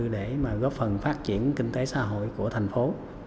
để góp phần phát triển kinh tế xã hội của thành phố